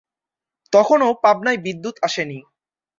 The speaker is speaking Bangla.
তখনও পাবনায় বিদ্যুৎ আসেনি।